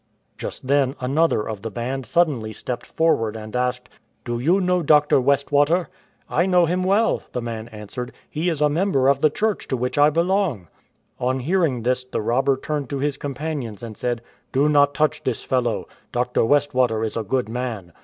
Just then another of the band suddenly stepped for 99 ADVENTURE WITH BANDITS ward and asked, " Do you know Dr. Westwater ?''" I know him well," the man answered ;" he is a member of the Church to which I belong." On hearing this the robber turned to his companions and said, "Do not touch this fellow. Dr. Westwater is a good man.